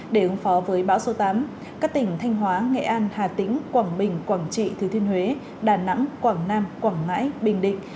để ứng phó với bão số tám các tỉnh thanh hóa nghệ an hà tĩnh quảng bình quảng trị thứ thiên huế đà nẵng quảng nam quảng ngãi bình định